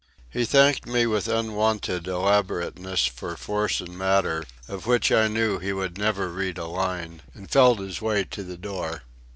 He thanked me with unwonted elaborateness for Force and Matter, of which I knew he would never read a line, and felt his way to the door.